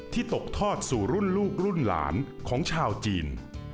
ตกทอดสู่รุ่นลูกรุ่นหลานของชาวจีน